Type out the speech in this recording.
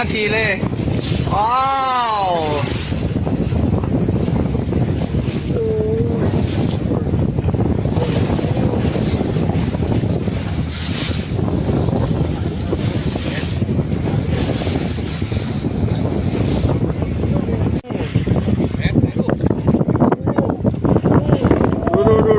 เท็จให้กล้องชุดตลอด